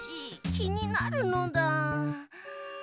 きになるのだ。